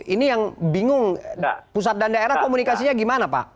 ini yang bingung pusat dan daerah komunikasinya gimana pak